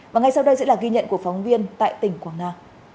và ngay sau đây sẽ là ghi nhận của phóng viên tại tỉnh quảng nam